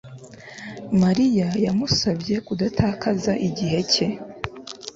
Mariya yamusabye kudatakaza igihe cye